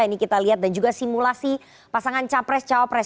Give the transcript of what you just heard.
ini kita lihat dan juga simulasi pasangan capres cawapres